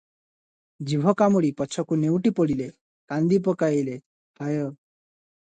ଜିଭ କାମୁଡ଼ି ପଛକୁ ନେଉଟି ପଡ଼ିଲେ, କାନ୍ଦି ପକାଇଲେ, ‘ହାୟ!